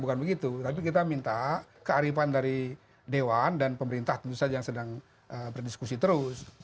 bukan begitu tapi kita minta kearifan dari dewan dan pemerintah tentu saja yang sedang berdiskusi terus